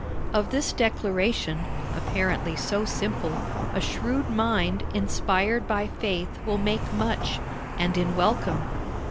Of this declaration, apparently so simple, a shrewd mind inspired by faith will make much—and in welcome.